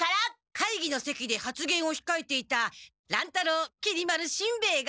会議のせきで発言をひかえていた乱太郎きり丸しんべヱが。